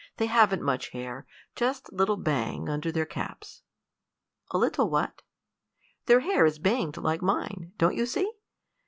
They haven't much hair, just a little bang under their caps." "A little what?" "Their hair is banged like mine don't you see?